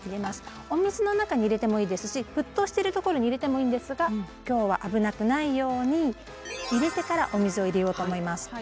お水の中に入れてもいいですし沸騰してるところに入れてもいいんですが今日は危なくないように入れてからお水を入れようと思います。